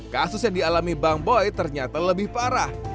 kasus yang dialami bang boy ternyata lebih parah